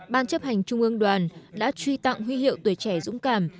ban chấp hành trung ương đoàn đã truy tặng huy hiệu tuổi trẻ dũng cảm